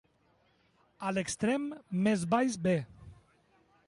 A l'extrem més baix de.